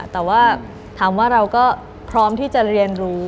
แต่ว่าถามว่าเราก็พร้อมที่จะเรียนรู้